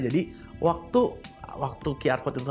jadi waktu qr code itu